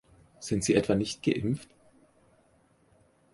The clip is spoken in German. Sind sie etwa nicht geimpft?